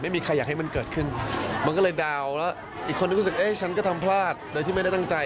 อีกคนนึงก็รู้สึกฉันก็ทำพลาดโดยที่ไม่ได้ตั้งใจ